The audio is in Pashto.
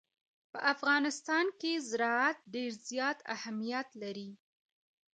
په افغانستان کې زراعت ډېر زیات اهمیت لري.